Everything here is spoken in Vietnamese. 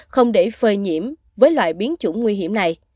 không để phơi nhiễm với loại biến chủng nguy hiểm này